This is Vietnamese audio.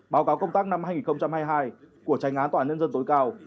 báo cáo công tác năm hai nghìn hai mươi hai của tranh án tòa án nhân dân tối cao